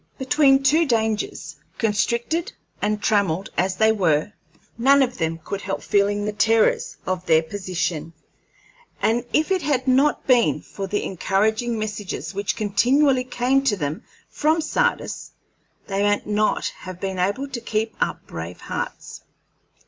Between two dangers, constricted and trammelled as they were, none of them could help feeling the terrors of their position, and if it had not been for the encouraging messages which continually came to them from Sardis, they might not have been able to keep up brave hearts.